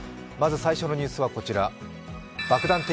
まず最初のニュースはこちら爆弾